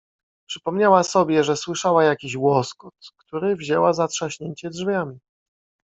"Przypomniała sobie, że słyszała jakiś łoskot, który wzięła za trzaśnięcie drzwiami."